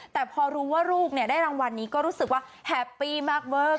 แต่พอรู้ว่าลูกได้รางวัลนี้ก็รู้สึกว่าแฮปปี้มากเวอร์